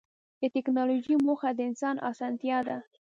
د ټکنالوجۍ موخه د انسان اسانتیا ده.